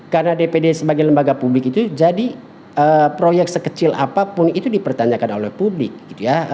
karena dpd sebagai lembaga publik itu jadi proyek sekecil apapun itu dipertanyakan oleh publik gitu ya